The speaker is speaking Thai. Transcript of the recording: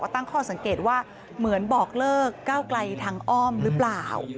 ตั้งข้อสังเกตว่าเหมือนบอกเลิกก้าวไกลทางอ้อมหรือเปล่า